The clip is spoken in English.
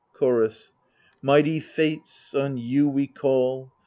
Chorus Mighty Fates, on you we call